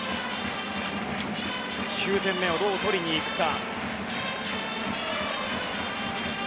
９点目をどう取りにいくか。